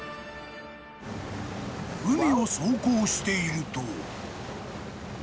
［海を走行していると］